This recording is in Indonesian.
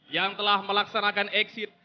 yang telah melaksanakan exit